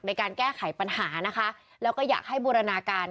ในการแก้ไขปัญหานะคะแล้วก็อยากให้บูรณาการ